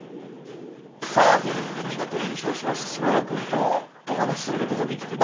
さあということで見事優勝しました嶋田くんとお話しすることができて。